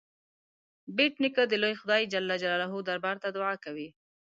بېټ نیکه د لوی خدای جل جلاله دربار ته دعا کوي.